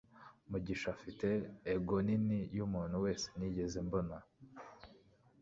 Mugisha afite ego nini yumuntu wese nigeze mbona